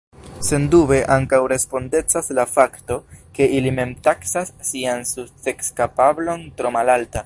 Sendube ankaŭ respondecas la fakto, ke ili mem taksas sian sukceskapablon tro malalta.